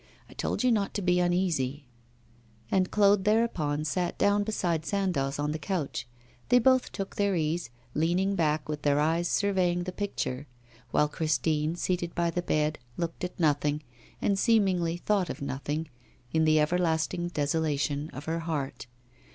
I told you not to be uneasy.' And Claude thereupon sat down beside Sandoz on the couch. They both took their ease, leaning back, with their eyes surveying the picture; while Christine, seated by the bed, looked at nothing, and seemingly thought of nothing, in the everlasting desolation of her heart.